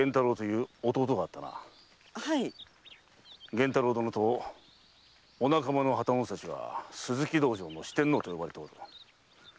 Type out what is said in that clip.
玄太郎殿とお仲間の旗本たちは鈴木道場の四天王と呼ばれている。